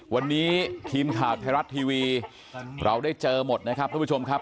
วันนี้ทีมข่าวไทยรัฐทีวีเราได้เจอหมดนะครับทุกผู้ชมครับ